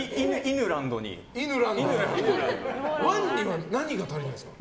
ナンバー１には何が足りないですか？